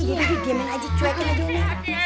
jadi dia main aja cuekin aja umi